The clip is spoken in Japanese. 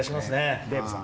あっデーブさん。